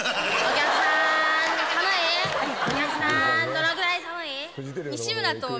どのぐらい寒い？